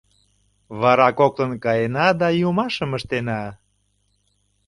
Вара коктын каена да йӱмашым ыштена.